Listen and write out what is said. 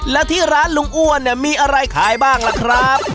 แล้วที่ร้านลุงอ้วนเนี่ยมีอะไรขายบ้างล่ะครับ